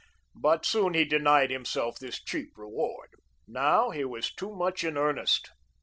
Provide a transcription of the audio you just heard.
But soon he denied himself this cheap reward. Now he was too much in earnest.